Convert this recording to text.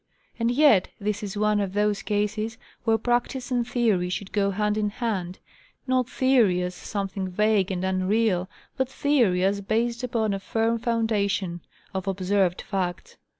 And yet this is one of those cases where practice and theory should go hand in hand,—not theory as something vague and unreal, but theory as based upon a firm foundation of observed facts.